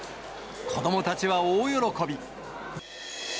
子どもたちは大喜び。